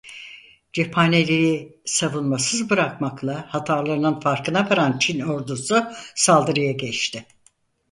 Cephaneliği savunmasız bırakmakla hatalarının farkına varan Çin ordusu saldırıya geçti.